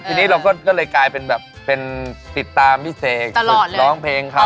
ทีนี้เราก็เลยกลายเป็นติดตามพี่เสกร้องเพลงเขา